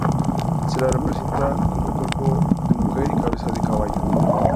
Se la representa con cuerpo de mujer y cabeza de caballo.